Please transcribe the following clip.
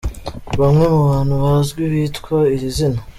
Bamwe mu bantu bazwi bitwa iri zina.